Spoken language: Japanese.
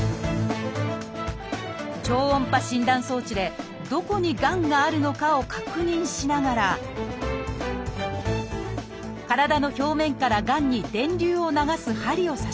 超音波診断装置でどこにがんがあるのかを確認しながら体の表面からがんに電流を流す針を刺します